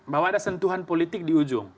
bahwa ada sentuhan politik di ujung